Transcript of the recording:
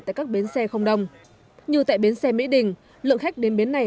tại các bến xe không đông như tại bến xe mỹ đình lượng khách đến bến này